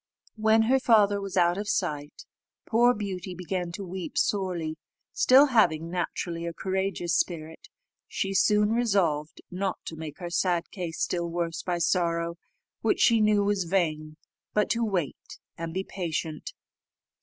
When her father was out of sight, poor Beauty began to weep sorely; still, having naturally a courageous spirit, she soon resolved not to make her sad case still worse by sorrow, which she knew was vain, but to wait and be patient.